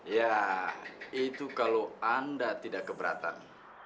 ya itu kalau anda tidak keberatan